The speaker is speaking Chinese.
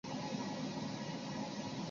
里斯本澳门联络处名称及组织的变更。